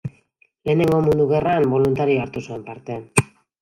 Lehenengo Mundu Gerran boluntario hartu zuen parte.